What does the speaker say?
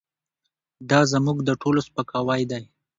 دا زموږ د ټولو سپکاوی دی.